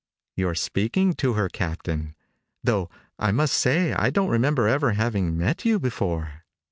"You're speaking to her, Captain, though I must say I don't remember ever having met you before."